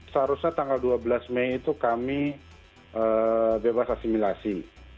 seharusnya tanggal dua belas mei itu kami bebas asimilasi